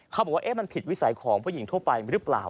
เขาบอกว่ามันผิดวิสัยของผู้หญิงแบบนี้รึเปล่า